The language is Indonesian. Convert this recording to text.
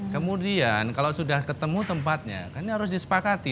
kemudian kalau sudah ketemu tempatnya kan ini harus disepakati